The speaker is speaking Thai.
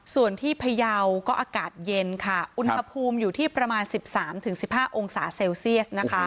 ส่วนที่พยาวก็อากาศเย็นค่ะอุณหภูมิอยู่ที่ประมาณ๑๓๑๕องศาเซลเซียสนะคะ